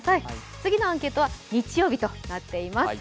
次のアンケートは日曜日となっています。